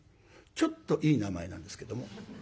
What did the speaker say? ちょっといい名前なんですけども。